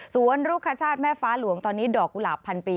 ลูกคชาติแม่ฟ้าหลวงตอนนี้ดอกกุหลาบพันปี